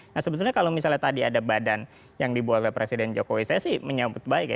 nah sebetulnya kalau misalnya tadi ada badan yang dibuat oleh presiden jokowi saya sih menyambut baik ya